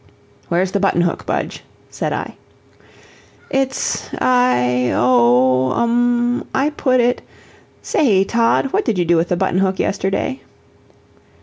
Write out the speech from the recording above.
"Where's the button hook, Budge?" said I. "It's I oh um I put it say, Tod, what did you do with the button hook yesterday?"